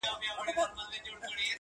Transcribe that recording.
هغه له قبره اوس زما خواته ناره نه کوي!!